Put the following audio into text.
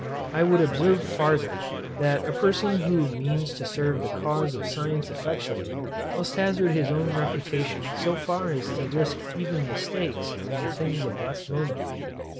I would observe farther, that a person who means to serve the cause of science effectually, must hazard his own reputation so far as to risk even mistakes in things of less moment.